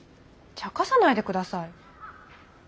ちゃかさないで下さい。